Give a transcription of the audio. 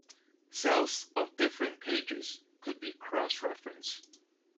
Cells of different pages could be cross-referenced.